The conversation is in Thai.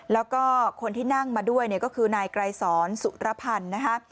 แล้วก็คนที่นั่งมาด้วยเนี่ยก็คือนายไกรสอนสุรพันธ์นะคะ